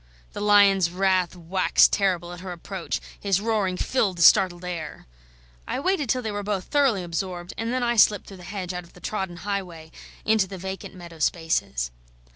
The lion's wrath waxed terrible at her approach; his roaring filled the startled air. I waited until they were both thoroughly absorbed, and then I slipped through the hedge out of the trodden highway, into the vacant meadow spaces.